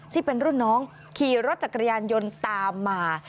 ซึ่งเป็นรุ่นน้องขี่รถจักรยานยนต์ตามมา